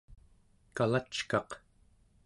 kalackaq